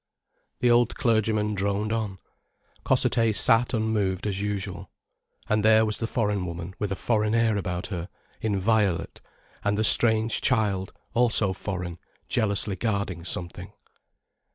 The old clergyman droned on, Cossethay sat unmoved as usual. And there was the foreign woman with a foreign air about her, inviolate, and the strange child, also foreign, jealously guarding something.